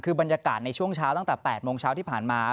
คือบรรยากาศในช่วงเช้าตั้งแต่๘โมงเช้าที่ผ่านมา